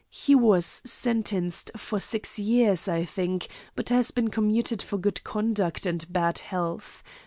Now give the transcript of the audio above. He was sentenced for six years, I think, but he has been commuted for good conduct and bad health.